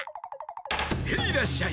ヘイらっしゃい！